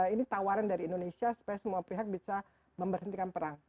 ini tawaran dari indonesia supaya semua pihak bisa memberhentikan perang